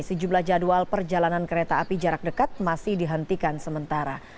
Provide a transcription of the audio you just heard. sejumlah jadwal perjalanan kereta api jarak dekat masih dihentikan sementara